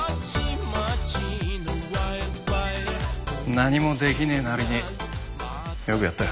何もできねえなりによくやったよ。